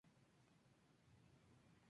El lago es poco visitado.